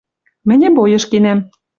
Мӹньӹ бойыш кенӓм